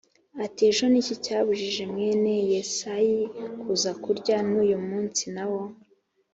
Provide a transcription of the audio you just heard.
ati “Ejo ni iki cyabujije mwene Yesayi kuza kurya, n’uyu munsi na wo?”